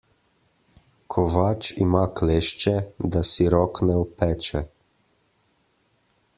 Kovač ima klešče, da si rok ne opeče.